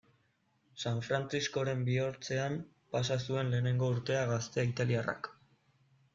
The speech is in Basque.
San Frantziskoren bihotzean pasa zuen lehengo urtea gazte italiarrak.